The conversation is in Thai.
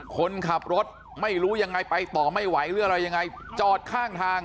คนขับรถไม่รู้ยังไงไปต่อไม่ไหวหรืออะไรยังไงจอดข้างทาง